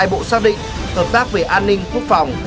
hai bộ xác định hợp tác về an ninh quốc phòng